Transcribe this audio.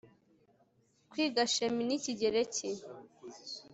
kwiga chimie nikigereki